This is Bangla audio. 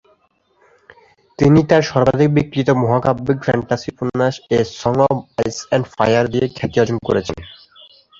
তিনি তার সর্বাধিক বিক্রিত মহাকাব্যিক ফ্যান্টাসি উপন্যাস "a song of ice and fire" দিয়ে খ্যাতি অর্জন করেছেন।